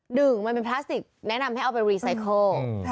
หนึ่งมันเป็นพลาสติกแนะนำให้เอาไปรีไซเคิล